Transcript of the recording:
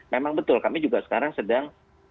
memang betul kami juga sekarang sedang